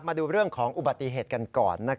มาดูเรื่องของอุบัติเหตุกันก่อน